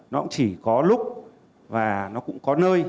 nó cũng chỉ có lúc và nó cũng có nơi